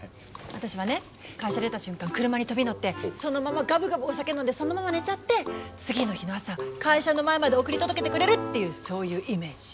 私はね会社出た瞬間車に飛び乗ってそのままガブガブお酒飲んでそのまま寝ちゃって次の日の朝会社の前まで送り届けてくれるっていうそういうイメージ。